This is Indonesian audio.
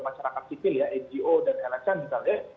masyarakat sifil ya ngo dan nacan misalnya